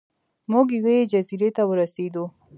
موږ یوې جزیرې ته ورسیدو.